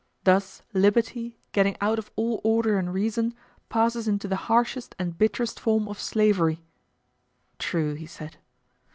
Thus liberty, getting out of all order and reason, passes into the harshest and bitterest form of slavery. True, he said.